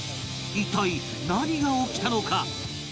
一体何が起きたのか？